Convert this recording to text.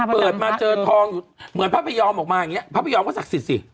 เปิดมาเจอทองอยู่เหมือนพระพยอมออกมาอย่างนี้พระพยอมก็ศักดิ์สิทธิ์สิ